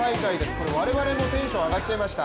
これ、我々もテンション上がっちゃいました。